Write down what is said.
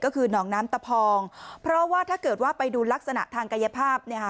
ก็คือหนองน้ำตะพองเพราะว่าถ้าเกิดว่าไปดูลักษณะทางกายภาพ